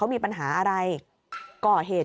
มีปัญหาอะไรก่อเหตุ